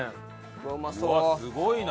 うわっすごいな。